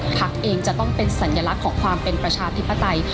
พักเองจะต้องเป็นสัญลักษณ์ของความเป็นประชาธิปไตย